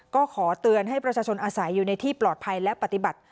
ก็ขอเตือนให้ประชาชนอาศัยอยู่ในที่ปลอดภัยและปฏิบัติ